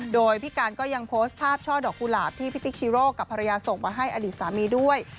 โดยพี่การก็ยังโพสต์ภาพช่อดอกกุหลาบที่พี่ติ๊กชีโร่กับภรรยาส่งมาให้อดีตสามีด้วย